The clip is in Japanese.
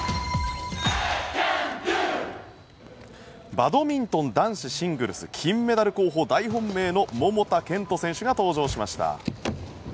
バドミントン男子シングルス金メダル候補大本命の桃田賢斗選手が登場しました。